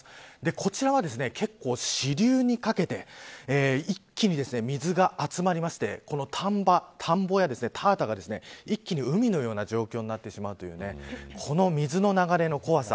こちらは結構、支流にかけて一気に水が集まりましてこの田んぼや田畑が一気に海のような状態になってしまうというこの水の流れの怖さ。